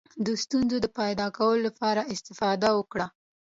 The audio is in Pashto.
د ستونزو د پیدا کولو لپاره استفاده وکړه.